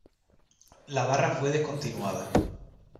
La barra fue descontinuada.